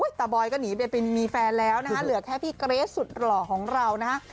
บอยก็หนีไปมีแฟนแล้วนะคะเหลือแค่พี่เกรสสุดหล่อของเรานะฮะ